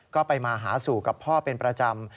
ก็ไปมาหาสู่กับพ่อเป็นประจำ